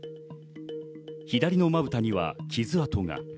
左のまぶたには傷跡が。